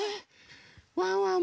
ワンワン